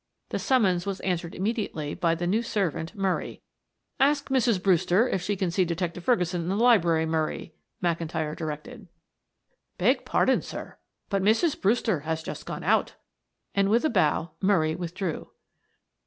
The summons was answered immediately by the new servant, Murray. "Ask Mrs. Brewster if she can see Detective Ferguson in the library, Murray," McIntyre directed. "Beg pardon, sir, but Mrs. Brewster has just gone out," and with a bow Murray withdrew.